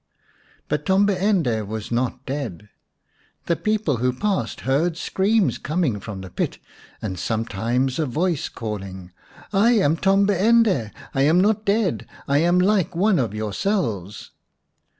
] But Tombi ende was not dead. The people who passed heard screams coming from the pit, and sometimes a voice calling :" I am Tombi ende, I am not dead, I am like one of yourselves."